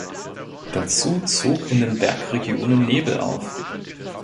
Dazu zog in den Bergregionen Nebel auf.